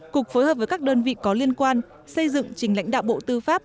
cục phối hợp với các đơn vị có liên quan xây dựng trình lãnh đạo bộ tư pháp